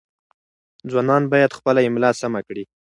ځوانان باید خپله املاء سمه کړي.